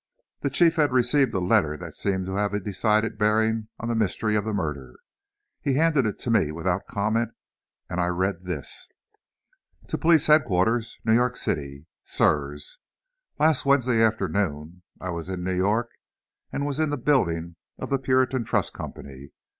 The Chief had received a letter that seemed to have a decided bearing on the mystery of the murder. He handed it to me without comment, and I read this: To Police Headquarters; New York City; Sirs: Last Wednesday afternoon, I was in New York, and was in the Building of the Puritan Trust Company.